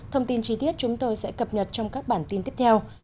thông tin chi tiết chúng tôi sẽ cập nhật trong các bản tin tiếp theo